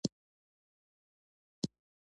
ریښتینې مینه آزادي ورکوي.